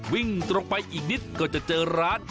วิ่งตรงไปอีกนิดก็จะเจอร้าน